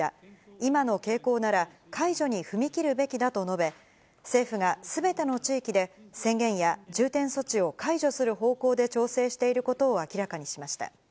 今の傾向なら、解除に踏み切るべきだと述べ、政府がすべての地域で、宣言や重点措置を解除する方向で調整していることを明らかにしました。